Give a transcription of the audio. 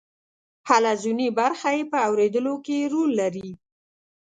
حلزوني برخه یې په اوریدلو کې رول لري.